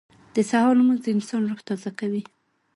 • د سهار لمونځ د انسان روح تازه کوي.